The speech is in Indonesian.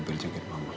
biar jagain mama